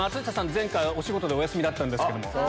前回お仕事でお休みだったんですけど。